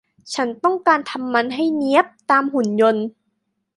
ฉันต้องการทำมันให้เนี๊ยบตามหุ่นยนต์